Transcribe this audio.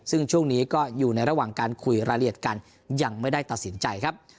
ซึ่งช่วงนี้ก็อยู่ในระหว่างการคุยรายละเอียดกันยังไม่ได้ตัดสินใจครับ